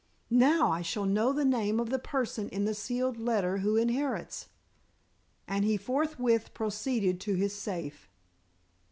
"Now I shall know the name of the person in the sealed letter who inherits," and he forthwith proceeded to his safe.